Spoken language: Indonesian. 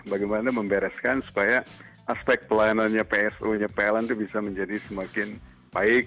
bagaimana membereskan supaya aspek pelayanannya pso nya pln itu bisa menjadi semakin baik